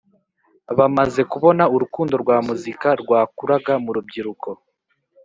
bamaze kubona urukundo rwa muzika rwakuraga mu rubyiruko